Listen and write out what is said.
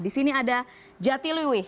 di sini ada jatiluwi